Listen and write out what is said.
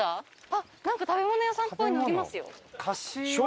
あっなんか食べ物屋さんっぽいのありますよ。